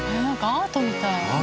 アートみたい。